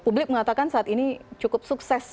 publik mengatakan saat ini cukup sukses